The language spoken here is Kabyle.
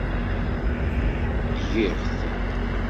Giɣ-t.